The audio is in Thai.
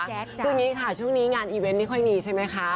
คืออย่างนี้ค่ะช่วงนี้งานอีเวนต์ไม่ค่อยมีใช่ไหมคะ